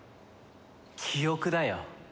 記憶だよ。